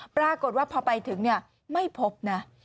ปรากฏว่าพอไปถึงไม่พบนะ